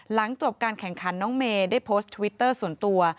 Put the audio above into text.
หลังจบการแข่งขันน้องเมย์ได้โพสต์ทวิตเตอร์ส่วนตัว